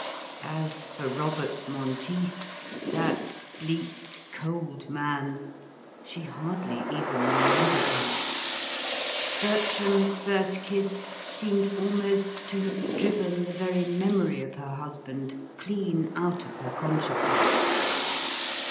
As for Robert Monteith, that bleak, cold man, she hardly even remembered him: Bertram's first kiss seemed almost to have driven the very memory of her husband clean out of her consciousness.